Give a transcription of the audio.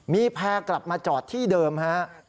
มีแพร่กลับมาจอดที่เดิมฮะ